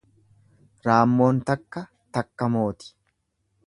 Raammoon takka, takka mooti.